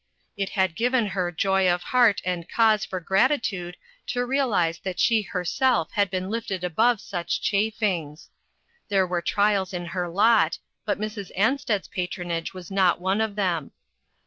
It had given her joy of heart and cause for gratitude to realize that she herself had been lifted above such chafings. There were trials in her lot, but Mrs. An sted's patronage was not one of them.